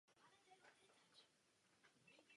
Statistické údaje jsou mimořádně důležité.